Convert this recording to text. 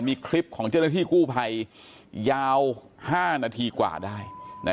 มีคลิปของเจ้าหน้าที่กู้ภัยยาว๕นาทีกว่าได้